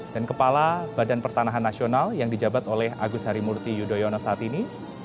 dan kepala badan pertanahan nasional yang dijabat oleh agus harimurti yudhoyono saat ini